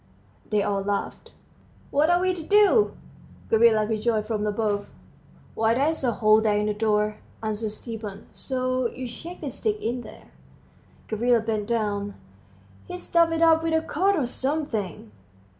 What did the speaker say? They all laughed. "What are we to do?" Gavrila rejoined from above. "Why, there's a hole there in the door," answered Stepan, "so you shake the stick in there." Gavrila bent down. "He's stuffed it up with a coat or something."